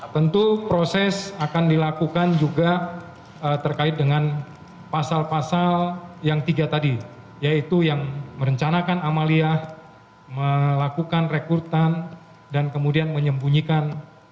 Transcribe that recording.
tentu proses akan dilakukan juga terkait dengan pasal pasal yang tiga tadi yaitu yang merencanakan amaliyah melakukan rekrutan dan kemudian menyembunyikan